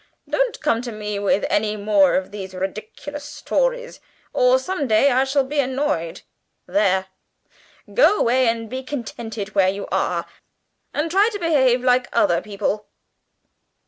Don't come to me with any more of these ridiculous stories, or some day I shall be annoyed. There, go away, and be contented where you are, and try to behave like other people."